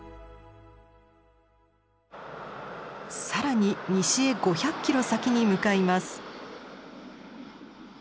更に西へ５００ｋｍ先に向かいます。